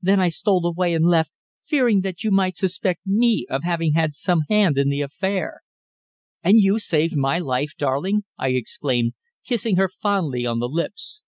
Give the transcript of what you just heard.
Then I stole away and left, fearing that you might suspect me of having had some hand in the affair." "And you saved my life, darling!" I exclaimed, kissing her fondly on the lips.